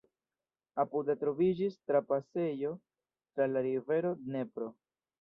Apude troviĝis trapasejo tra la rivero Dnepro.